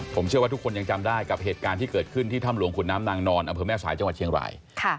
ผมเชื่อว่าทุกคนยังจำได้กับเหตุการณ์ที่เกิดขึ้นที่ถ้ำหลวงขุนน้ำนางนอนอำเภอแม่สายจังหวัดเชียงราย